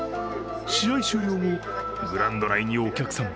試合終了後、グラウンド内にお客さん。